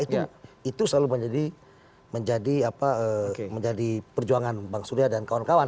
itu selalu menjadi perjuangan bang surya dan kawan kawan